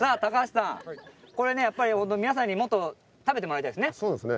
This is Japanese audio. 高橋さん、皆さんにもっと食べてもらいたいですね。